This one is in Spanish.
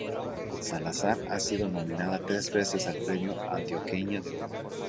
Salazar ha sido nominada tres veces al premio Antioqueña de Oro.